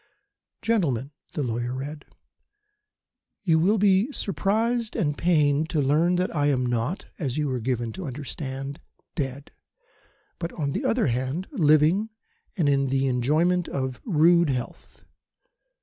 "Gentlemen" the lawyer read "You will be surprised and pained to learn that I am not as you were given to understand dead; but on the other hand, living and in the enjoyment of rude health.